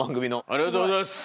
ありがとうございます。